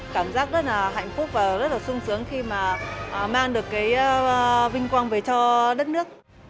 cảm giác rất là hạnh phúc và rất là sung sướng khi mà mang được cái vinh quang về cho đất nước